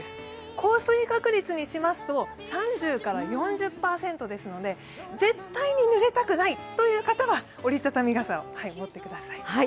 降水確率にしますと３０４０％ですので絶対にぬれたくないという方は折りたたみ傘を持ってください。